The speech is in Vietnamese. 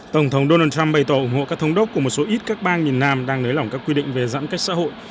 tổng thống donald trump bày tỏ ủng hộ các thống đốc của một số ít các bang miền nam đang nới lỏng các quy định về giãn cách xã hội